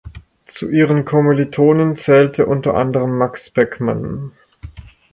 Zu ihren Kommilitonen zählte unter anderem Max Beckmann.